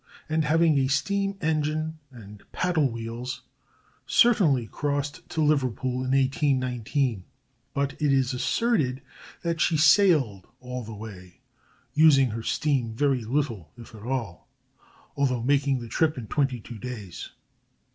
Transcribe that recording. and having a steam engine and paddle wheels, certainly crossed to Liverpool in 1819; but it is asserted that she sailed all the way, using her steam very little, if at all, although making the trip in twenty two days.